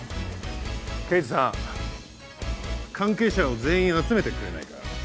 刑事さん関係者を全員集めてくれないか？